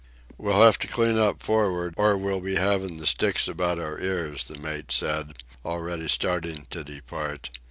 "We'll have to clean up for'ard, or we'll be having the sticks about our ears," the mate said, already starting to depart.